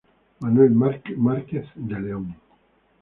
Manuel Márquez de León.